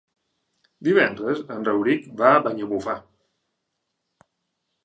Divendres en Rauric va a Banyalbufar.